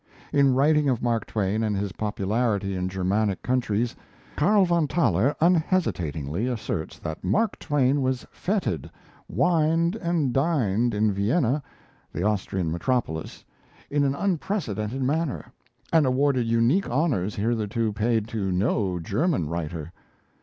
In writing of Mark Twain and his popularity in Germanic countries, Carl von Thaler unhesitatingly asserts that Mark Twain was feted, wined and dined in Vienna, the Austrian metropolis, in an unprecedented manner, and awarded unique honours hitherto paid to no German writer.